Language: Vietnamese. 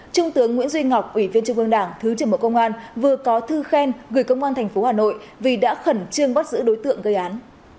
trung tướng nguyễn duy ngọc ủy viên trung ương đảng thứ trưởng bộ công an vừa có thư khen gửi công an tp hà nội vì đã khẩn trương bắt giữ đối tượng gây án